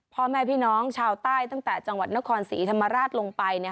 พ่อแม่พี่น้องชาวใต้ตั้งแต่จังหวัดนครศรีธรรมราชลงไป